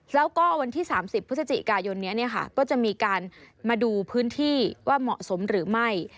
แล้วก็วันที่๓๐พฤศจิกายนนี้ก็จะมีการมาดูพื้นที่ว่าเหมาะสมหรือไม่